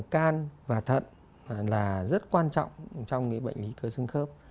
gan và thận là rất quan trọng trong bệnh lý cơ sưng khớp